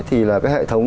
thì là cái hệ thống